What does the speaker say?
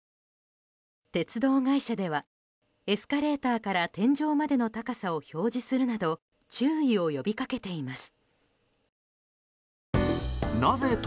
鉄道会社ではエスカレーターから天井までの高さを表示するなど注意を呼びかけています。